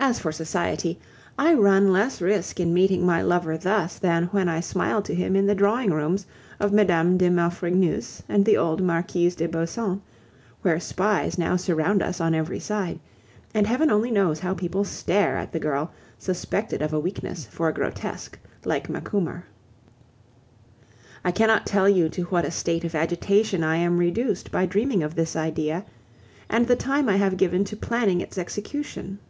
As for society, I run less risk in meeting my lover thus than when I smile to him in the drawing rooms of Mme. de Maufrigneuse and the old Marquise de Beauseant, where spies now surround us on every side; and Heaven only knows how people stare at the girl, suspected of a weakness for a grotesque, like Macumer. I cannot tell you to what a state of agitation I am reduced by dreaming of this idea, and the time I have given to planning its execution.